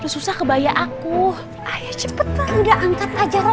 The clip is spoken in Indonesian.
susah kebaya aku ayo cepet nggak angkat aja